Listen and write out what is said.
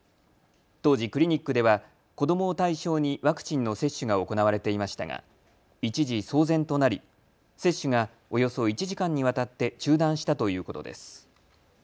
当時、クリニックでは子どもを対象にワクチンの接種が行われていましたが一時、騒然となり接種がおよそ１時間にわたって中断したということです。